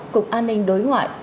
cục an ninh đối ngoại